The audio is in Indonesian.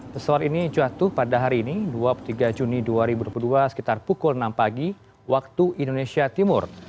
pesawat ini jatuh pada hari ini dua puluh tiga juni dua ribu dua puluh dua sekitar pukul enam pagi waktu indonesia timur